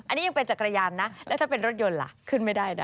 อันนี้ยังเป็นจักรยานนะแล้วถ้าเป็นรถยนต์ล่ะขึ้นไม่ได้นะ